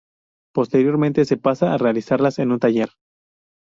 Posteriormente se pasa a realizarlas en un taller.